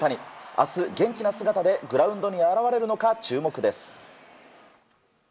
明日、元気な姿でグラウンドに現れるのか注目です。